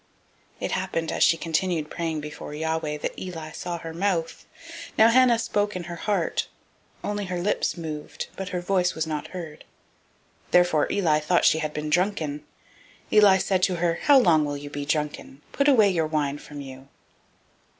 001:012 It happened, as she continued praying before Yahweh, that Eli marked her mouth. 001:013 Now Hannah, she spoke in her heart; only her lips moved, but her voice was not heard: therefore Eli thought she had been drunken. 001:014 Eli said to her, How long will you be drunken? put away your wine from you.